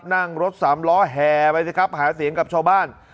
นั่งรถสามล้อแห่ไปสิครับหาเสียงกับชาวบ้าน